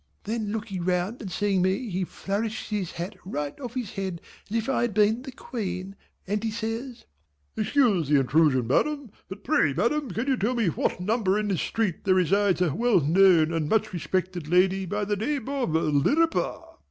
Then looking round and seeing me he flourishes his hat right off his head as if I had been the queen and he says, "Excuse the intrusion Madam, but pray Madam can you tell me at what number in this street there resides a well known and much respected lady by the name of Lirriper?"